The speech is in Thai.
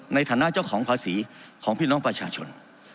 ในฐานะเจ้าของภาษีของพี่น้องประชาชน